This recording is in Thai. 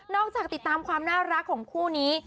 จากติดตามความน่ารักของคู่นี้